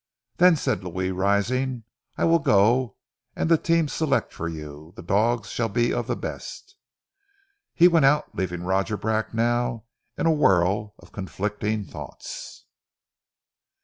"Then," said Louis, rising, "I will go, and ze teams select for you. Ze dogs shall be of ze best." He went out leaving Roger Bracknell in a whirl of conflicting thoughts.